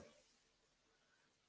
om swastiastu namo buddhaya salam kebajikan